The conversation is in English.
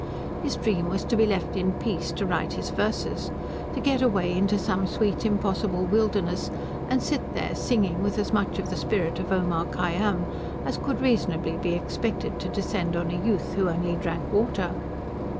His dream was to be left in peace to write his verses; to get away into some sweet impossible wilderness, and sit there singing with as much of the spirit of Omar Kayyam as could reasonably be expected to descend on a youth who only drank water.